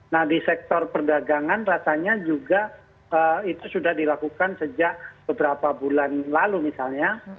nah di sektor perdagangan rasanya juga itu sudah dilakukan sejak beberapa bulan lalu misalnya